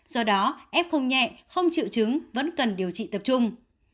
do đó f không nhẹ không chịu chứng vẫn cần điều trị tập trung